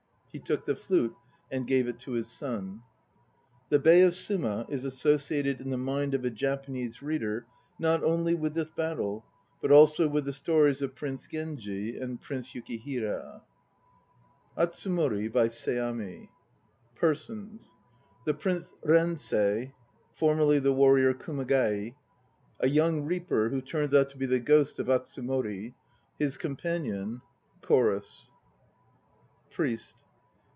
He took the flute and gave it to his son. The bay of Suma is associated in the mind of a Japanese reader not only with this battle but also with the stories of Prince Genji and Prince Yukihira, (See p. 224.) ATSUMORI By SEAMI PERSONS THE PRIEST RENSEI (formerly the warrior Kumagai). A YOUNG REAPER, who turns out to be the ghost of Atsumori. HIS COMPANION. CHORUS. PRIEST.